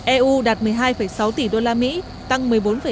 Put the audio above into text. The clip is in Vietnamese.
eu đạt một mươi hai sáu tỷ đô la mỹ tăng một mươi bốn ba